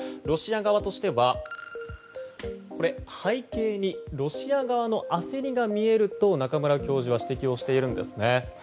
ロシア側としては背景にロシア側の焦りが見えると、中村教授は指摘しているんですね。